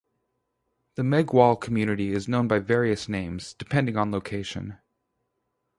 The Meghwal community is known by various names, depending on location.